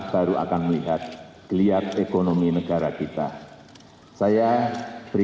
dengan kemudahan negara negeri